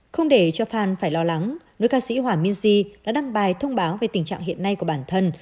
không để cho fan phải lo lắng nơi ca sĩ hòa minh di đã đăng bài thông báo về tình trạng hiện nay của bản thân